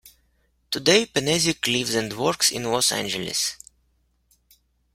Today Penezic lives and works in Los Angeles.